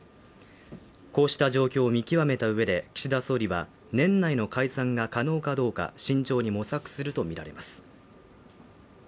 こうした状況を見極めた上で岸田総理は年内の解散が可能かどうか慎重に模索すると見られます